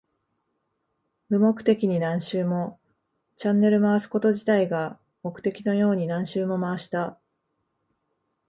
無目的に何周も。チャンネルを回すこと自体が目的のように何周も回した。